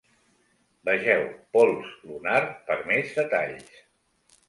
Vegeu pols lunar per més detalls.